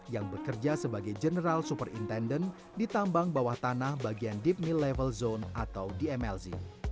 yang bekerja sebagai general super intendent di tambang bawah tanah bagian deep mill level zone atau dmlz